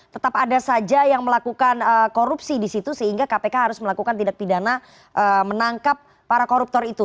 tetap ada saja yang melakukan korupsi di situ sehingga kpk harus melakukan tindak pidana menangkap para koruptor itu